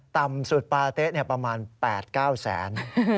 ต่ำสุดปาเต๊ะประมาณ๘๙แสน